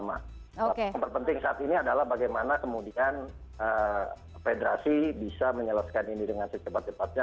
yang terpenting saat ini adalah bagaimana kemudian federasi bisa menyelesaikan ini dengan secepat cepatnya